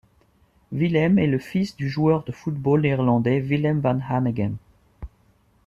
Willem est le fils du joueur de football néerlandais Willem van Hanegem.